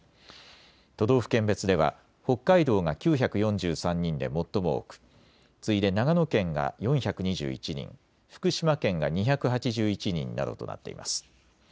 都道府県別では北海道が９４３人で最も多く次いで長野県が４２１人、福島県が２８１人などとなっています。